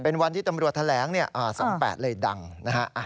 เป็นวันที่ตำรวจแถลง๓๘เลยดังนะฮะ